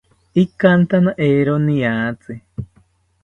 Ikantana eero niatzi